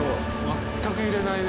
全く揺れないね。